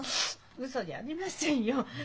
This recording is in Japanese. ウソじゃありませんよ。